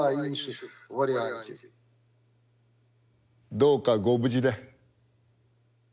どうかご無事で。